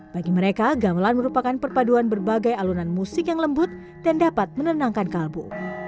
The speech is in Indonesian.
bagi mereka gamelan merupakan perpaduan berbagai alunan musik yang lembut dan dapat menenangkan kalbu